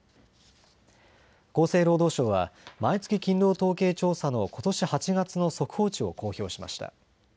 厚生労働省は毎月勤労統計調査のことし８月の速報値を公表しました。